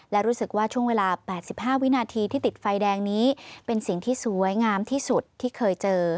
และรู้สึกว่าช่วงเวลา๘๕วินาทีที่ติดไฟแดงนี้เป็นสิ่งที่สวยงามที่สุดที่เคยเจอ